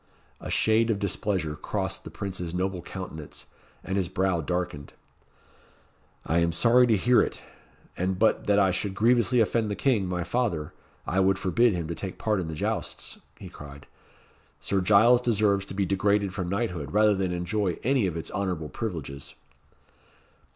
A shade of displeasure crossed the Prince's noble countenance, and his brow darkened. "I am sorry to hear it; and but that I should grievously offend the King, my father, I would forbid him to take part in the jousts," he cried. "Sir Giles deserves to be degraded from knighthood, rather than enjoy any of its honourable privileges."